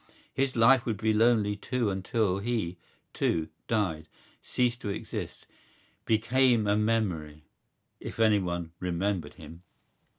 His life would be lonely too until he, too, died, ceased to exist, became a memory—if anyone remembered him.